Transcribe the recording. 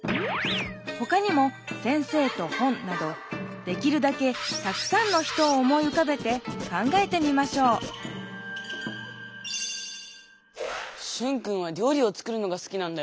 ほかにも「先生と本」などできるだけたくさんの人を思いうかべて考えてみましょうシュンくんはりょうりを作るのがすきなんだよなぁ。